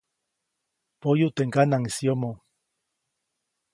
Poyu teʼ ŋganaŋʼis yomoʼ.